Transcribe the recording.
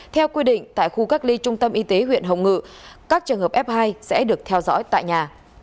theo quy định tại khu cách ly trung tâm y tế huyện hồng ngự các trường hợp f hai sẽ được theo dõi tại nhà